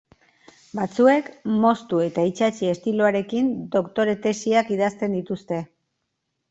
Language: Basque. Batzuek moztu eta itsatsi estiloarekin doktore tesiak idazten dituzte.